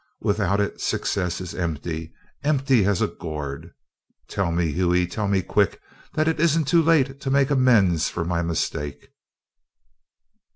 Without it success is empty empty as a gourd! Tell me, Hughie tell me quick that it isn't too late to make amends for my mistake!"